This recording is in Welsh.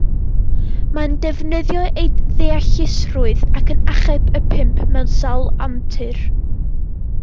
Mae'n defnyddio ei ddeallusrwydd ac yn achub y pump mewn sawl antur.